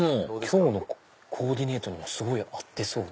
今日のコーディネートにもすごい合ってそう。